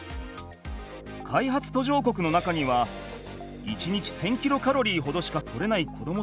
開発途上国の中には１日１，０００キロカロリーほどしか取れない子どもたちもいる。